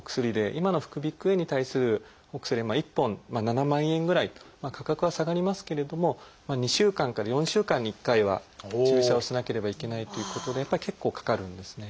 今の副鼻腔炎に対するお薬は１本７万円ぐらいと価格は下がりますけれども２週間から４週間に１回は注射をしなければいけないということでやっぱり結構かかるんですね。